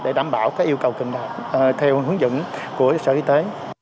để đảm bảo các yêu cầu cần đạt theo hướng dẫn của sở y tế